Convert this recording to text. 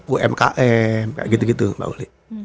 umkm kayak gitu gitu mbak uli